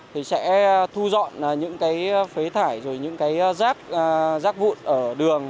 thì sẽ thu dọn những cái phế thải rồi những cái rác rác vụn ở đường